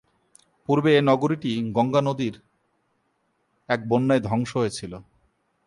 পূর্বে এ নগরীটি গঙ্গা নদীর এক বন্যায় ধ্বংস হয়েছিল।